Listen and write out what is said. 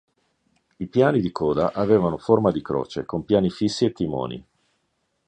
I piani di coda avevano forma di croce, con piani fissi e timoni.